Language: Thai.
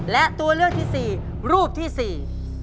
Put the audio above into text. และตัวเลือกที่๔รูปที่๔